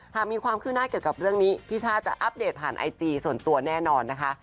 หากมีความขึ้นหน้าเกี่ยวกับเรื่องนี้พี่ช่าจะอัปเดตผ่านไอจีส่วนตัวแน่นอนนะคะ